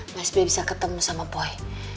mas b bisa ketemu sama puai